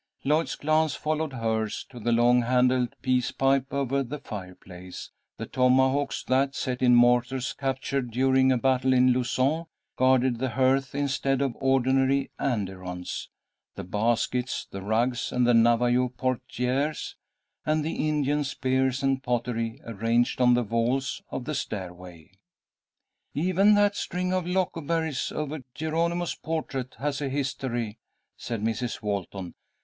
Lloyd's glance followed hers to the long handled peace pipe over the fireplace, the tomahawks that, set in mortars captured during a battle in Luzon, guarded the hearth instead of ordinary andirons, the baskets, the rugs, and the Navajo portières, and the Indian spears and pottery arranged on the walls of the stairway. "Even that string of loco berries over Geronimo's portrait has a history," said Mrs. Walton.